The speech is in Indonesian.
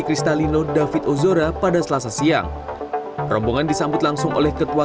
kristalino david ozora pada selasa siang rombongan disambut langsung oleh ketua